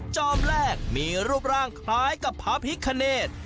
จอมแรกมีรูปร่างคล้ายกับพระพิคเนธ